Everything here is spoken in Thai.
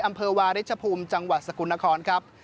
อำเภอวาริชภูมิจังหวัดสกลนครครับ